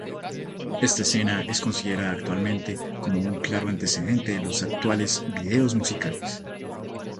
Esta escena es considerada, actualmente, como un claro antecedente de los actuales videos musicales.